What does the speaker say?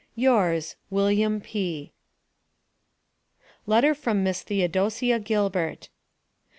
Yours, WM. P. LETTER FROM MISS THEODOCIA GILBERT.